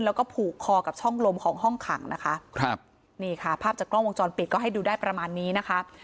แล้วก็ผูกคอกับช่องลมของห้องขังนะคะครับนี่ค่ะภาพจากกล้องวงจรปิดก็ให้ดูได้ประมาณนี้นะคะ